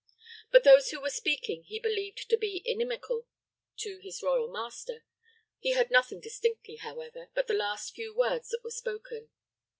Both those who were speaking he believed to be inimical to his royal master. He heard nothing distinctly, however, but the last few words that were spoken.